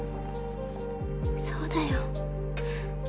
そうだよ